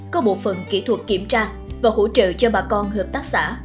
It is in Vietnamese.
có bộ phần kỹ thuật kiểm tra và hỗ trợ cho bà con hợp tác xã